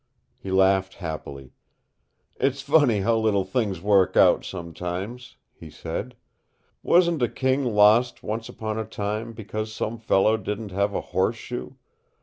He laughed happily. "It's funny how little things work out, sometimes," he said. "Wasn't a kingdom lost once upon a time because some fellow didn't have a horseshoe?